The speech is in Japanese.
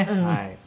はい。